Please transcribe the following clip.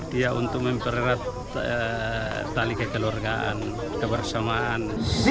dia untuk mempererat tali kekeluargaan kebersamaan